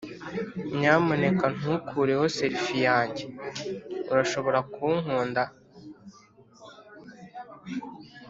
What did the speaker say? nyamuneka ntukureho selfie yanjye, urashobora kunkunda.